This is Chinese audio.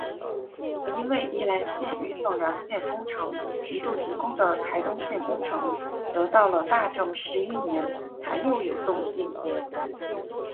而因为宜兰线与枋寮线工程一度停工的台东线工程则到了大正十一年才又有动静。